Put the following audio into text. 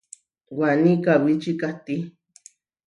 Waní kawíci kahtí.